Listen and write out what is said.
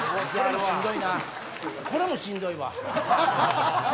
これもしんどいわ。